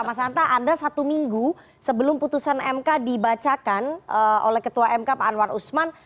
mas hanta anda satu minggu sebelum putusan mk dibacakan oleh ketua mk pak anwar usman